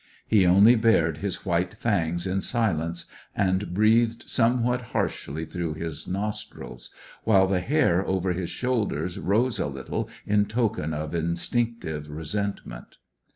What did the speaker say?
He only bared his white fangs in silence, and breathed somewhat harshly through his nostrils, while the hair over his shoulders rose a little in token of instinctive resentment.